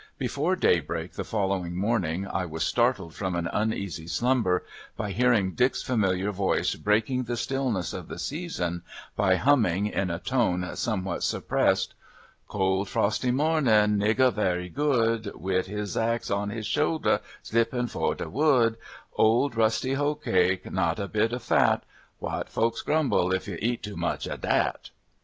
Before daybreak the following morning I was startled from an uneasy slumber by hearing Dick's familiar voice breaking the stillness of the season by humming, in a tone somewhat suppressed: "Cold, frosty mo'nin', niggah very good, Wid his axe on his shouldah, slippin' fro' de wood, Old rusty hoe cake, not a bit of fat, White folks grumble if you eat too much o' dat."